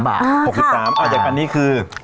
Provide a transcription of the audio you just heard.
๖๓บาทอย่างอันนี้คือ